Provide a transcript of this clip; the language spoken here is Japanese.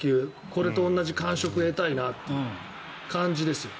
これと同じ感触を得たいなそんな感じですよ。